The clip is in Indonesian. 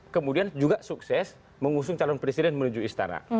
kemudian juga sukses mengusung calon presiden menuju istana